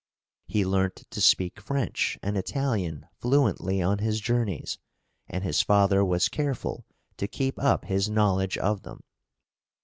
He learnt to speak French and Italian fluently on his journeys, and his father was careful to keep up his knowledge of them.